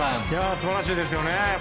素晴らしいですね。